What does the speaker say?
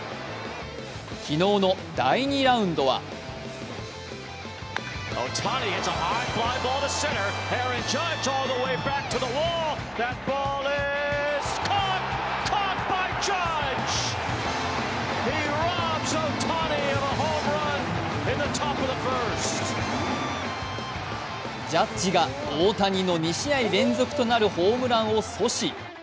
昨日の第２ラウンドはジャッジが大谷の２試合連続となるホームランを阻止。